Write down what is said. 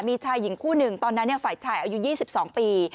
มีชายหญิงคู่หนึ่งตอนนั้นฝ่ายชายอายุ๒๒ปี